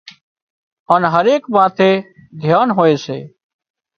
هانَ هر ايڪ ماٿي ڌيان هوئي سي